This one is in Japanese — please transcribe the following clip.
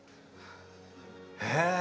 へえ！